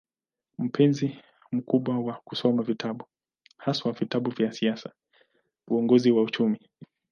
Mpenzi mkubwa wa kusoma vitabu, haswa vitabu vya siasa, uongozi na uchumi.